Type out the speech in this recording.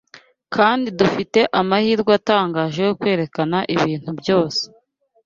kandi dufite amahirwe atangaje yo kwerekana ibintu byose